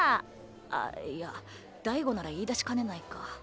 あっいや大吾なら言いだしかねないか。